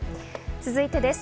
続いてです。